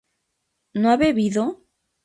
¿no ha bebido?